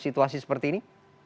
situasi seperti ini